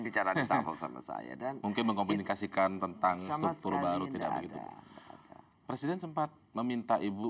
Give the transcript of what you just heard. bicara sama saya dan mungkin mengkomunikasikan tentang struktur baru tidak ada presiden sempat